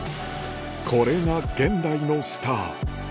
これが現代のスター